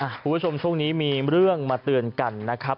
คุณผู้ชมช่วงนี้มีเรื่องมาเตือนกันนะครับ